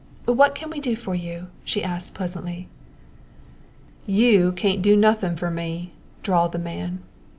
What can we do for you?" she asked pleasantly. "You cain't do nothin' for me," drawled the man.